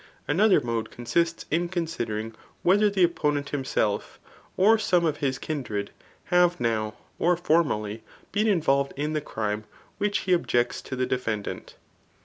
Another mode consists in considering whether the opponent him* self, or some of his kindred, have now, or formerly, beeit involved in the crime which he objects to the defendant.